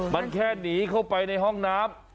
มันแค่หนีเข้าไปในห้องน้ำ